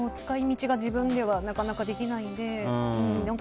使い道が自分ではなかなかできないので。